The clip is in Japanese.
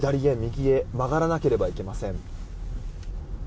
何度も何度も左へ、右へ曲がらなければいけません。